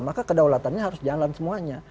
maka kedaulatannya harus jalan semuanya